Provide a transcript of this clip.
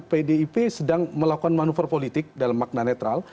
pdip sedang melakukan manuver politik dalam makna netral